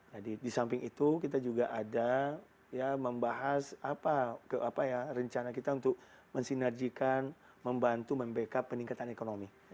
jadi di samping itu kita juga ada membahas rencana kita untuk mensinerjikan membantu membackup peningkatan ekonomi